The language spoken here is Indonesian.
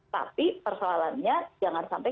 tapi persoalannya jangan sampai